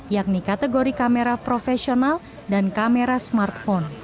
yakni kategori kamera profesional dan kamera smartphone